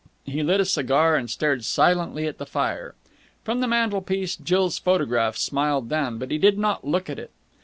He lit a cigar, and stared silently at the fire. From the mantelpiece Jill's photograph smiled down, but he did not look at it.